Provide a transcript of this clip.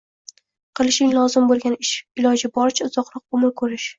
Qilishing lozim bo’lgan ish iloji boricha uzoqroq umr ko’rish.